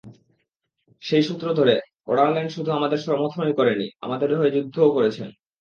সেই সূত্র ধরে ওডারল্যান্ড শুধু আমাদের সমর্থনই করেননি, আমাদের হয়ে যুদ্ধও করেছেন।